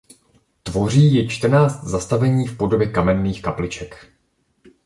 Tvoří ji čtrnáct zastavení v podobě kamenných kapliček.